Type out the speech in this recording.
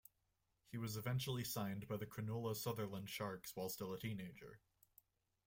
He was eventually signed by the Cronulla-Sutherland Sharks while still a teenager.